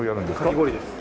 かき氷です。